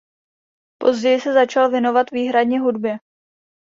Později se začal věnovat výhradně hudbě.